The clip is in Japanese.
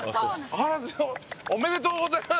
ありがとうございます。